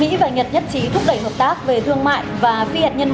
mỹ và nhật nhất trí thúc đẩy hợp tác về thương mại và phi hạt nhân hóa